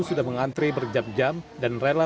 sudah mengantre berjam jam dan rela